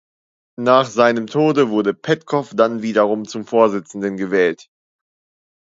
Nach seinem Tode wurde Petkow dann wiederum zum Vorsitzenden gewählt.